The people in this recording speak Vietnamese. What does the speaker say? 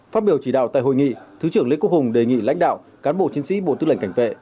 phát biểu chỉ đạo tại hội nghị thứ trưởng lê quốc hùng đề nghị lãnh đạo cán bộ chiến sĩ bộ tư lệnh cảnh vệ